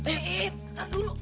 eh ntar dulu